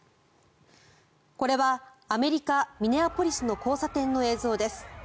これはアメリカ・ミネアポリスの交差点の映像です。